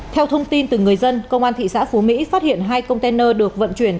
theo thông tin từ người dân công an thị xã phú mỹ phát hiện hai container được vận chuyển